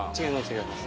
違います。